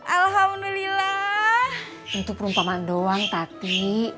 alhamdulillah untuk perumpamaan doang tati